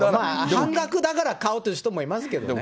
半額だから買うという人もいますけどね。